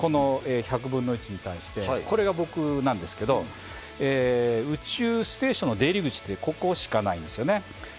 １００分の１に対してこれが僕なんですけど、宇宙ステーションの出入り口って、ここしかないんですね。